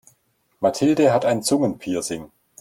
Mathilde hat ein Zungenpiercing.